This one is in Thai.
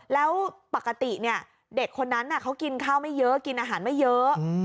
แล้วปกติเด็กคนนั้นเขากินข้าวไม่เยอะกินอาหารไม่เยอะ